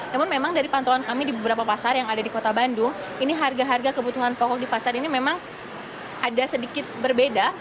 namun memang dari pantauan kami di beberapa pasar yang ada di kota bandung ini harga harga kebutuhan pokok di pasar ini memang ada sedikit berbeda